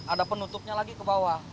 ada penutupnya lagi ke bawah